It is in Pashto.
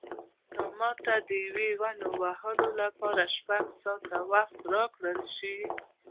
که ماته د یوې ونې وهلو لپاره شپږ ساعته وخت راکړل شي.